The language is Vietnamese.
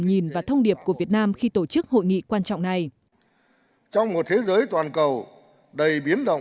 nhìn và thông điệp của việt nam khi tổ chức hội nghị quan trọng này